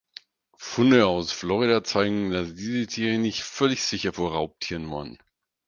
Funde aus Florida zeigen, dass diese Tiere nicht völlig sicher vor Raubtieren waren.